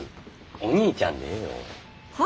お兄ちゃんでええよ。は？